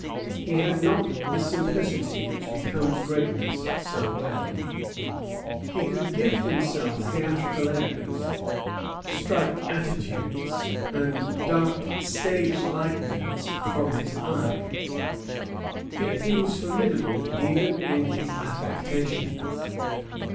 He had not the simplicity which becomes greatness so well. He could give himself theatrical airs, strike attitudes, and dart stage lightnings from his eyes; yet he was formidable even in his affectations.